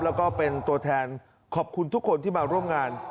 แล้วก็เป็นตัวแทนขอบคุณทุกคนที่มาร่วมงาน